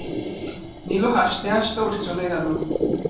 নীলু হাসতে হাসতে উঠে চলে গেল।